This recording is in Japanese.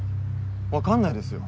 分かんないですよ。